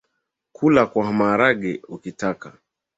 Kula kwa maharagwe ukitaka.